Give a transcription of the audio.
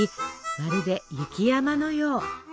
まるで雪山のよう。